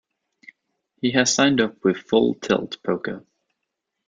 He has signed up with Full Tilt Poker.